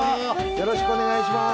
よろしくお願いします。